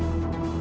aku mau ke rumah